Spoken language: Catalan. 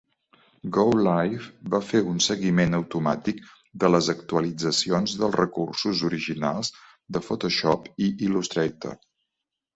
GoLive va fer un seguiment automàtic de les actualitzacions dels recursos originals de Photoshop i Illustrator.